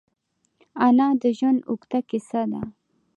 انا د ژوند اوږده کیسه ده